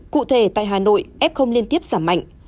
cụ thể tại hà nội f liên tiếp giảm mạnh